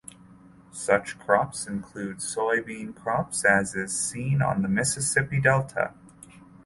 Such crops include soybean crops as is seen on the Mississippi Delta.